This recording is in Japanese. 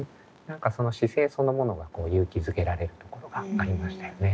何かその姿勢そのものが勇気づけられるところがありましたよね。